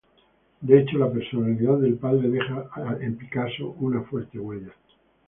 De hecho, la personalidad del padre deja en Picasso una fuerte huella.